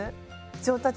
上達。